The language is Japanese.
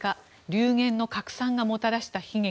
流言の拡散がもたらした悲劇。